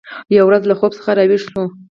یوه ورځ له خوب څخه راویښه شوه